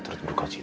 terima kasih elsa